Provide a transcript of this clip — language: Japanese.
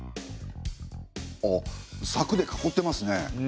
あっさくで囲ってますね。